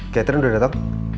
catherine udah datang